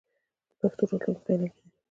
د پښتو راتلونکی په علم کې دی.